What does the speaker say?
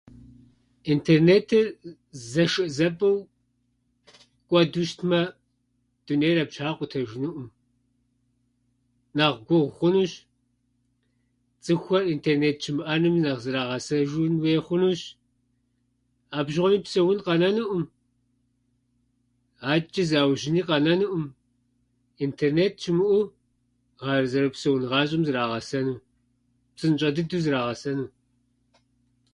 Интернетыр зэшэзэпӏэу кӏуэду щытмэ, дунейр абы щхьа къутэжынуӏым. Нэхъ гугъу хъунущ, цӏыхухэр интернет щымыӏэным нэхъ зрагъэсэжын хуей хъунущ. Абы щыгъуэми псэун къэнэнукъым, адэчӏи заужьыни къэнэнукъым. Интернет щымыӏэу, а зэрыпсэун гъащӏэм зрагъэсэну, псынщӏэ дыдэу зрагъэсэну.